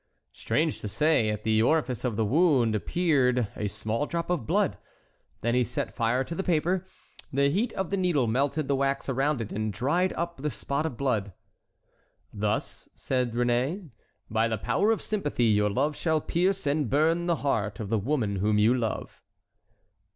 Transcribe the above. Strange to say, at the orifice of the wound appeared a small drop of blood; then he set fire to the paper. The heat of the needle melted the wax around it and dried up the spot of blood. "Thus," said Réné, "by the power of sympathy, your love shall pierce and burn the heart of the woman whom you love."